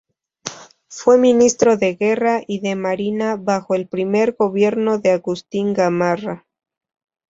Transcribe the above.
Fue ministro de Guerra y de Marina bajo el primer gobierno de Agustín Gamarra.